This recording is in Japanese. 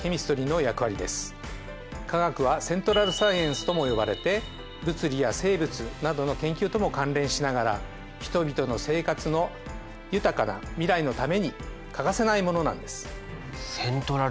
化学はＣｅｎｔｒａｌＳｃｉｅｎｃｅとも呼ばれて物理や生物などの研究とも関連しながら人々の生活の豊かな未来のために欠かせないものなんです。